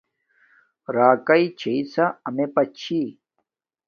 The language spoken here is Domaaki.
راکاݵ چھݶ سا امیے پا چھی